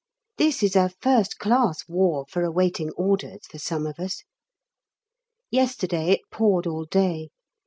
This is a first class War for awaiting orders for some of us. Yesterday it poured all day.